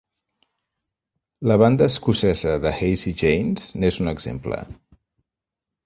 La banda escocesa The Hazey Janes n'és un exemple.